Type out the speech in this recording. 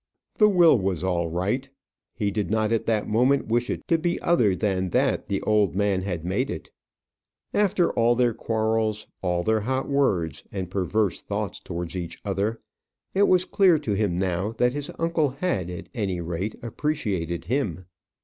The will was all right. He did not at that moment wish it to be other than that the old man had made it. After all their quarrels, all their hot words and perverse thoughts towards each other, it was clear to him now that his uncle had, at any rate, appreciated him.